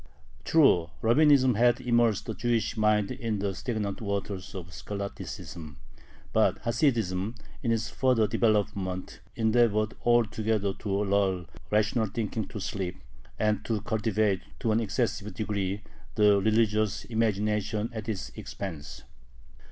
True, Rabbinism had immersed the Jewish mind in the stagnant waters of scholasticism, but Hasidism, in its further development, endeavored altogether to lull rational thinking to sleep, and to cultivate, to an excessive degree, the religious imagination at its expense.